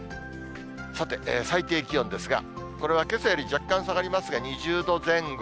さて、最低気温ですが、これはけさより若干下がりますが、２０度前後。